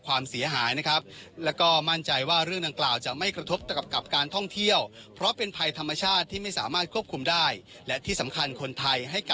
ก็คืออย่างที่คุณกล่าวเป็นเรื่องที่เราไม่ที่ห้ามไม่ได้